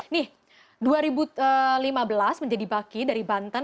nih dua ribu lima belas menjadi baki dari banten